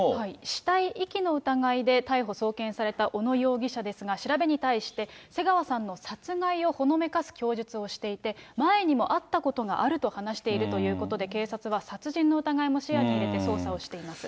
死体遺棄の疑いで逮捕・送検された小野容疑者ですが、調べに対して、瀬川さんの殺害をほのめかす供述をしていて、前にも会ったことがあると話しているということで、警察は殺人の疑いも視野に入れて捜査をしています。